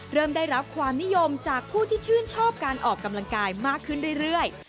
เริ่มได้รับความนิยมจากผู้ที่ชื่นชอบการออกกำลังกายมากขึ้นเรื่อย